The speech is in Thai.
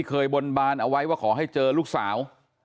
เคยบนบานเอาไว้ว่าขอให้เจอลูกสาว